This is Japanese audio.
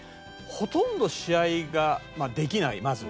ほとんど試合ができないまず。